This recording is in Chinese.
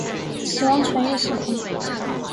石莼目中的浒苔属与该属相近。